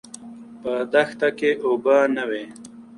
په دښته کې اوبه نه وې.